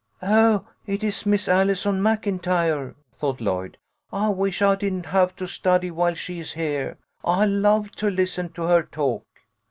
"Oh, it is Miss Allison Maclntyre !" thought Lloyd. " I wish I didn't have to study while she is heah. I love to listen to her talk."